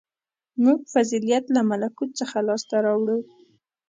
• موږ فضیلت له ملکوت څخه لاسته راوړو.